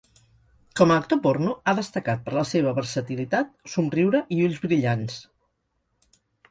Com a actor porno ha destacat per la seva versatilitat, somriure i ulls brillants.